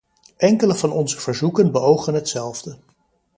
Enkele van onze verzoeken beogen hetzelfde.